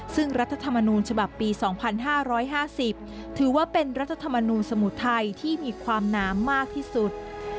ซึ่งรัฐธรรมนูญฉบับปี๒๕๕๐ถือว่าเป็นรัฐธรรมนูลสมุทรไทยที่มีความหนามมากที่สุด